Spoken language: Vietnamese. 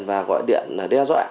và gọi điện đe dọa